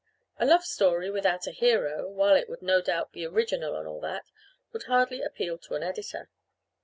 A love story without a hero, while it would no doubt be original and all that, would hardly appeal to an editor.